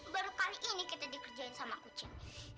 baru kali ini kita dikerjain sama kucing